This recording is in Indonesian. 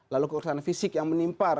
lalu kekuasaan fisik yang menimpar